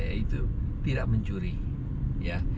yaitu tidak mencuri ya